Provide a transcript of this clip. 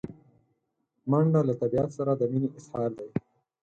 منډه له طبیعت سره د مینې اظهار دی